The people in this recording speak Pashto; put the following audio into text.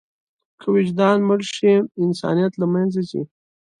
که وجدان مړ شي، انسانیت له منځه ځي.